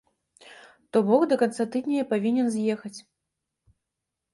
То бок, да канца тыдня я павінен з'ехаць.